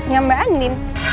yang mbak andi